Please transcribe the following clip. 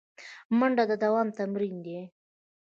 منډه د دوام تمرین دی